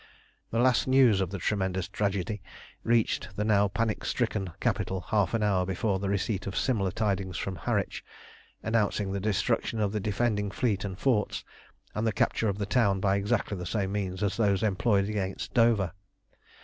The last news of the tremendous tragedy reached the now panic stricken capital half an hour before the receipt of similar tidings from Harwich, announcing the destruction of the defending fleet and forts, and the capture of the town by exactly the same means as those employed against Dover.